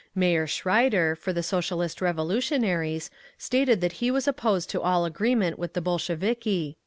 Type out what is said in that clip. Mayor Schreider, for the Socialist Revolutionaries, stated that he was opposed to all agreement with the Bolsheviki….